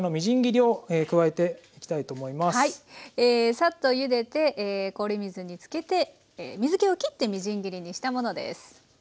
サッとゆでて氷水に漬けて水けを切ってみじん切りにしたものです。